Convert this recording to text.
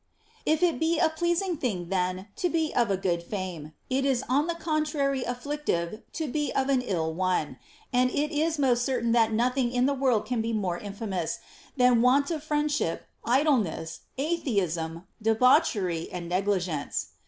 If it be a pleasing thing then to be of a good fame, it is on the contrary afflictive to be of an ill one ; and it is most certain that nothing in the world can be more infamous 188 PLEASURE NOT ATTAINABLE than want of friendship, idleness, atheism, debauchery, and negligence.